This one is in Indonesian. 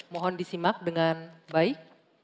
mohon disimak dengan baik